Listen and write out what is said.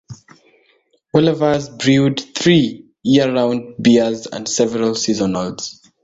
Wolaver's brewed three year-round beers and several seasonals.